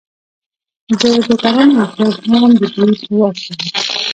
د ټوکرانو اوبدل هم د دوی په واک کې وو.